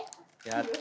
やった。